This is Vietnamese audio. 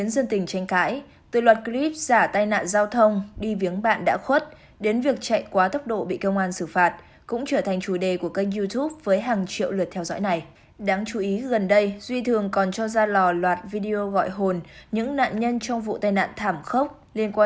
xin chào và hẹn gặp lại trong các video tiếp theo